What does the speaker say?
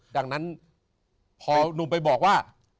ดังนั้นพอหนุ่มไปบอกว่า